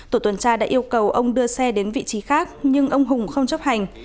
tổ tuần tra đã yêu cầu ông đưa xe đến vị trí khác nhưng ông hùng không chấp hành